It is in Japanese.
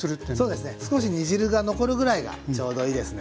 そうですね少し煮汁が残るぐらいがちょうどいいですね。